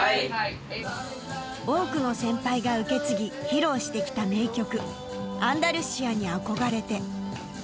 多くの先輩が受け継ぎ披露してきた名曲『アンダルシアに憧れて』